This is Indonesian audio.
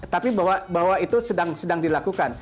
tapi bahwa itu sedang dilakukan